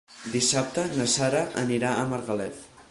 Dissabte na Sara anirà a Margalef.